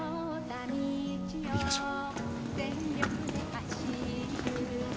行きましょう。